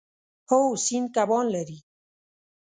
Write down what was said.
هو، سیند کبان لري